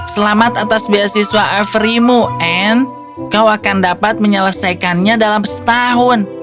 selamat atas beasiswa averymu anne kau akan dapat menyelesaikannya dalam setahun